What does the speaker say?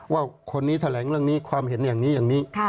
ว่าคนนี้แถลงเรื่องนี้ความเห็นอย่างนี้อย่างนี้